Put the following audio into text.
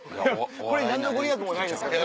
これ何の御利益もないですから。